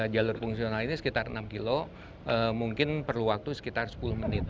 jalur fungsional ini sekitar enam km mungkin perlu waktu sekitar sepuluh menit